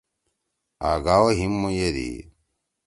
آگھا او ھیم مویدی۔